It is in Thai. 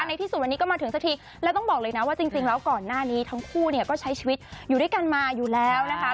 ในที่สุดวันนี้ก็มาถึงสักทีแล้วต้องบอกเลยนะว่าจริงแล้วก่อนหน้านี้ทั้งคู่เนี่ยก็ใช้ชีวิตอยู่ด้วยกันมาอยู่แล้วนะคะ